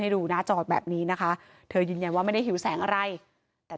ดูหน้าจอแบบนี้นะคะเธอยืนยันว่าไม่ได้หิวแสงอะไรแต่